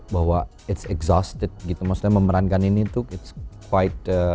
bahwa it's exhausted gitu maksudnya memerankan ini tuh it's quite